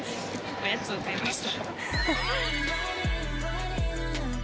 おやつを買いました。